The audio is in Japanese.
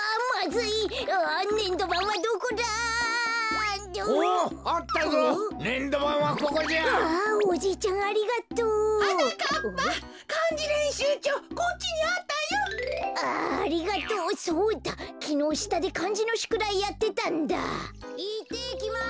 ・いってきます！